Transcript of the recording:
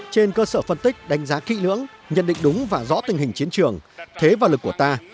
trên cơ sở phân tích đánh giá kỹ lưỡng nhận định đúng và rõ tình hình chiến trường thế và lực của ta